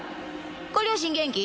ご両親元気？